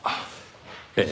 ええ。